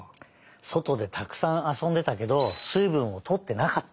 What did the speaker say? そとでたくさんあそんでたけどすいぶんをとってなかった！